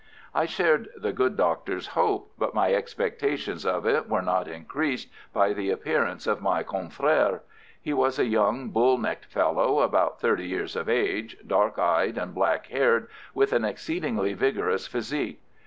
I shared the good Doctor's hope, but my expectations of it were not increased by the appearance of my confrère. He was a young, bull necked fellow about thirty years of age, dark eyed and black haired, with an exceedingly vigorous physique.